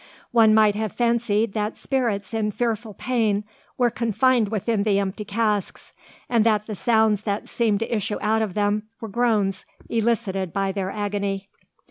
One might have fancied that spirits in fearful pain were confined within the empty casks, and that the sounds that seemed to issue out of them were groans elicited by their agony.